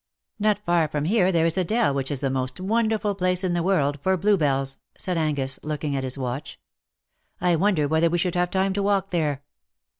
^' Not far from here there is a dell which is the most wonderful place in the world for bluebells/' said Angus, looking at his watch. " I wonder whether we should have time to walk there.''